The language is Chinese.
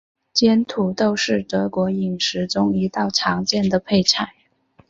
煎土豆是德国饮食中一道常见的配菜。